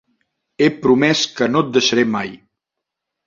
He promès que no et deixaré mai.